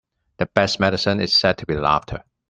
The best medicine is said to be laughter.